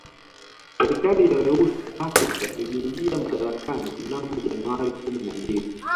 Serikali ya weusi Afrika iliingia madarakani mnamo Januari kumi na mbili